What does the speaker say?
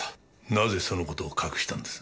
なぜその事を隠したんです？